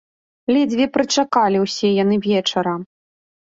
Ледзьве прычакалі ўсе яны вечара.